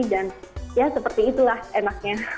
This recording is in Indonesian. dan ya seperti itulah enaknya